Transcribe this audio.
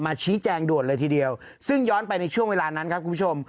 ชี้แจงด่วนเลยทีเดียวซึ่งย้อนไปในช่วงเวลานั้นครับคุณผู้ชม